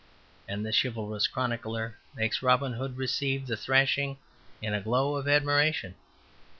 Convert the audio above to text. And the chivalrous chronicler makes Robin Hood receive the thrashing in a glow of admiration.